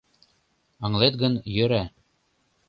Ыҥлет гын, йӧра.